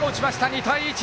２対１。